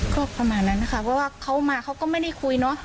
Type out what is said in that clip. ก็ประมาณนั้นนะคะเพราะว่าเขามาเขาก็ไม่ได้คุยเนอะ